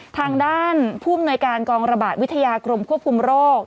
ทางด้านผู้อำนวยการกองระบาดวิทยากรมควบคุมโรค